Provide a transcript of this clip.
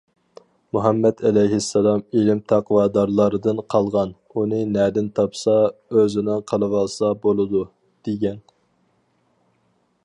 مۇھەممەد ئەلەيھىسسالام‹‹ ئىلىم تەقۋادارلاردىن قالغان، ئۇنى نەدىن تاپسا ئۆزىنىڭ قىلىۋالسا بولىدۇ›› دېگەن.